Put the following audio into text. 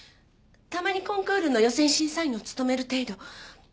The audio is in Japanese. たまにコンクールの予選審査員を務める程度。